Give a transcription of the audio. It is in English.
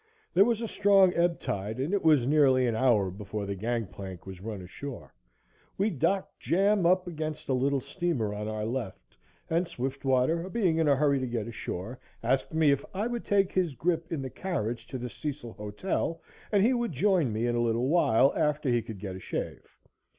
There was a strong ebb tide, and it was nearly an hour before the gang plank was run ashore. We docked jam up against a little steamer on our left, and Swiftwater, being in a hurry to get ashore, asked me if I would take his grip in the carriage to the Cecil Hotel and he would join me in a little while, after he could get a shave.